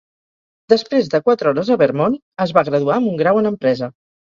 Després de quatre hores a Vermont, es va graduar amb un grau en Empresa.